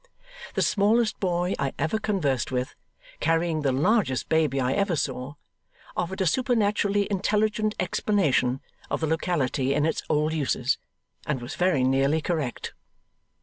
The smallest boy I ever conversed with, carrying the largest baby I ever saw, offered a supernaturally intelligent explanation of the locality in its old uses, and was very nearly correct.